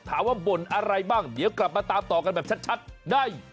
บ่นอะไรบ้างเดี๋ยวกลับมาตามต่อกันแบบชัดได้